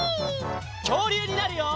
きょうりゅうになるよ！